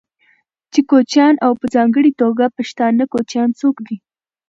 چې کوچيان او په ځانګړې توګه پښتانه کوچيان څوک دي،